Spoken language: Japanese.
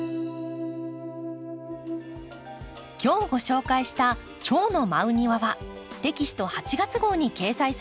今日ご紹介した「チョウの舞う庭」はテキスト８月号に掲載されています。